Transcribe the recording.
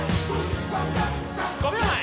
５秒前。